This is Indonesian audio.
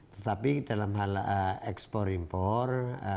tetapi dalam hal ekspor impor